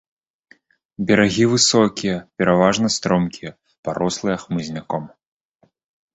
Берагі высокія, пераважна стромкія, парослыя хмызняком.